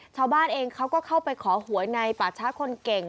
ชาวบ้านเองเขาก็เข้าไปขอหวยในป่าช้าคนเก่ง